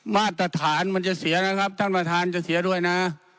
มาตรฐานมันจะเสียนะครับท่านประธานจะเสียด้วยนะ